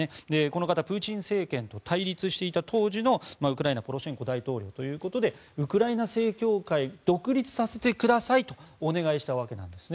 この方プーチン政権と対立していた当時のウクライナポロシェンコ大統領ということでウクライナ正教会独立させてくださいとお願いしたわけなんです。